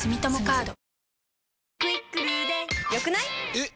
えっ！